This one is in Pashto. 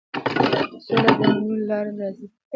سوله د منلو له لارې راځي.